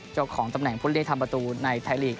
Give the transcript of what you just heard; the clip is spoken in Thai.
เจ้าของตำแหน่งผู้เล่นทำประตูในไทยลีก